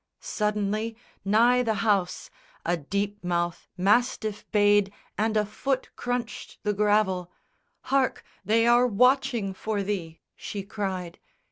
Suddenly, nigh the house, A deep mouthed mastiff bayed and a foot crunched The gravel. "Hark! they are watching for thee," she cried.